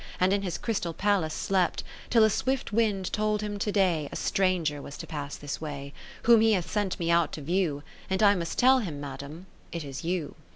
And in his crystal palace slept, Till a swift wind told him to day, A stranger was to pass this way, Whom he hath sent me out to view , And I must tell him. Madam, it is you.